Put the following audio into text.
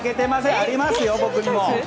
ありますよ、僕にも。